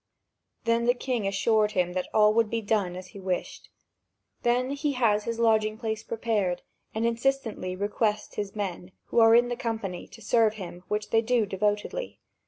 Then the king assured him that all would be done as he wished; then he has the lodging place prepared, and insistently requests his men, who are in the company, to serve him, which they do devotedly.